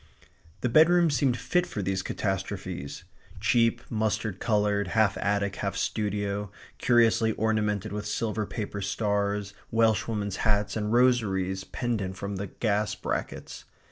The bedroom seemed fit for these catastrophes cheap, mustard coloured, half attic, half studio, curiously ornamented with silver paper stars, Welshwomen's hats, and rosaries pendent from the gas brackets.